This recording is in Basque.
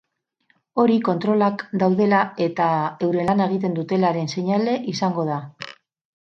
Hori kontrolak daudela eta euren lana egiten dutelaren seinale izango da.